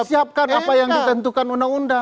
siapkan apa yang ditentukan undang undang